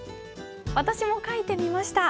私も書いてみました。